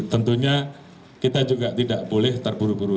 tentunya kita juga tidak boleh terburu buru